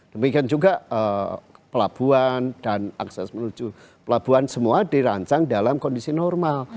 demikian juga pelabuhan dan akses menuju pelabuhan semua dirancang dalam kondisi normal